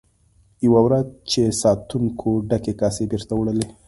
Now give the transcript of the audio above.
یوه ورځ چې ساتونکو ډکې کاسې بیرته وړلې.